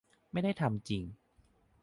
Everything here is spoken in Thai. ไม่ได้ทำจริง